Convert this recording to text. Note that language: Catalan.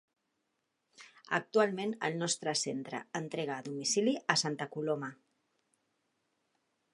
Actualment el nostre centre entrega a domicili a Santa Coloma.